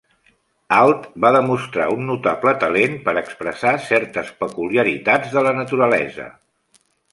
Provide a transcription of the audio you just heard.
Alt va demostrar un notable talent per expressar certes peculiaritats de la naturalesa.